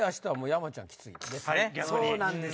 そうなんですよ。